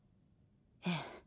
ええ。